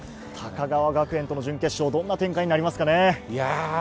高川学園との準決勝、どんな展開になりますかね。